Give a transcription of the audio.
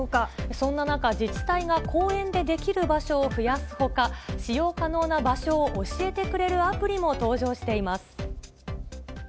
そんな中、自治体が公園でできる場所を増やすほか、使用可能な場所を教えてくれるアプリも登場しています。